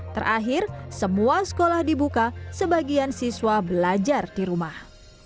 terakhir semua sekolah dibuka sebagian siswa belajar di rumah